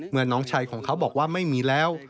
น้องชายของเขาบอกว่าไม่มีแล้ว